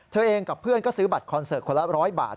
เธอเองกับเพื่อนก็ซื้อบัตรคอนเสิร์ตคนละ๑๐๐บาท